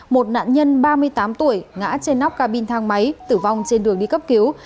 một nạn nhân ba mươi tám tuổi ngã trên nóc cabin thang máy tử vong trên đường đi cấp cứu